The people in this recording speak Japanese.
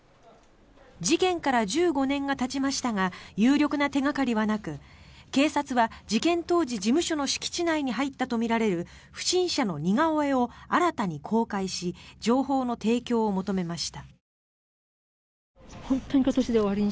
事件から１５年がたちましたが有力な手掛かりはなく警察は、事件当時事務所の敷地内に入ったとみられる不審者の似顔絵を新たに公開し情報の提供を求めました。